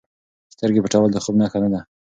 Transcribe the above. سترګې پټول د خوب نښه نه ده.